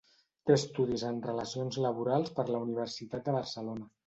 Té estudis en Relacions Laborals per la Universitat de Barcelona.